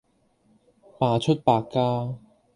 罷黜百家